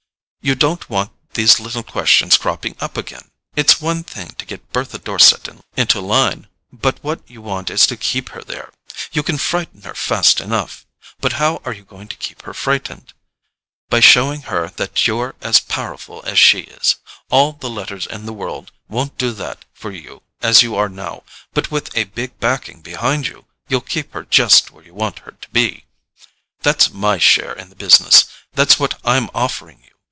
You don't want these little questions cropping up again. It's one thing to get Bertha Dorset into line—but what you want is to keep her there. You can frighten her fast enough—but how are you going to keep her frightened? By showing her that you're as powerful as she is. All the letters in the world won't do that for you as you are now; but with a big backing behind you, you'll keep her just where you want her to be. That's MY share in the business—that's what I'm offering you.